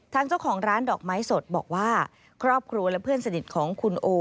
ทางเจ้าของร้านดอกไม้สดบอกว่าครอบครัวและเพื่อนสนิทของคุณโอ